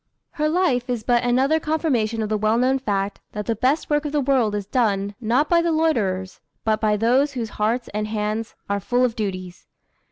Her life is but another confirmation of the well known fact, that the best work of the world is done, not by the loiterers, but by those whose hearts and hands are full of duties.